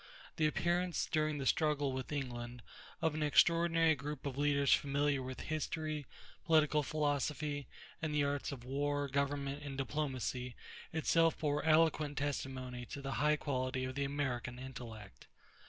The appearance, during the struggle with England, of an extraordinary group of leaders familiar with history, political philosophy, and the arts of war, government, and diplomacy itself bore eloquent testimony to the high quality of the American intellect.